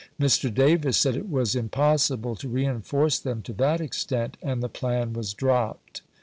Mr. Davis said it was im possible to reenforce them to that extent, and the plan was dropped.